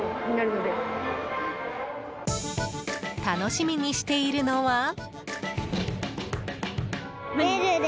楽しみにしているのは？